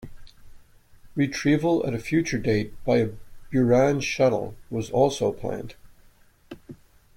Retrieval at a future date by a Buran shuttle was also planned.